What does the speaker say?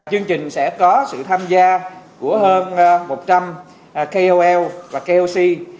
chương trình sẽ có sự tham gia của hơn một trăm linh kol và klc